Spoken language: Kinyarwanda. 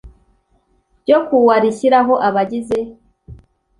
ryo kuwa rishyiraho abagize